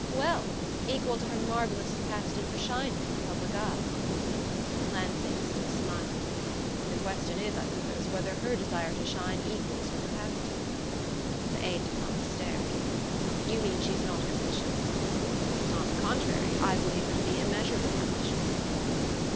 "Well equal to her marvellous capacity for shining in the public eye." Lansing still smiled. "The question is, I suppose, whether her desire to shine equals her capacity." The aide de camp stared. "You mean, she's not ambitious?" "On the contrary; I believe her to be immeasurably ambitious."